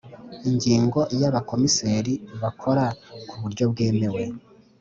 Ingingo y Abakomiseri bakora ku buryo bwemewe